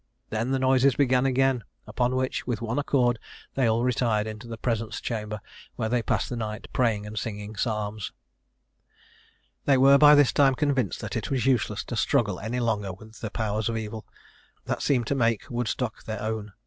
Then the noises began again; upon which, with one accord, they all retired into the presence chamber, where they passed the night, praying and singing psalms. They were by this time convinced that it was useless to struggle any longer with the powers of evil, that seemed determined to make Woodstock their own.